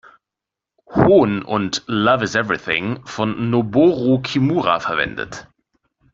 Hohn und "Love is Everything" von Noboru Kimura verwendet.